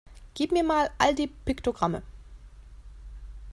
Gib mir mal all die Piktogramme!